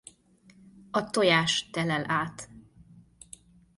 A tojás telel át.